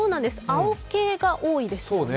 青系が多いんですよね。